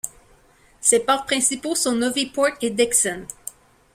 Ses ports principaux sont Novy Port et Dickson.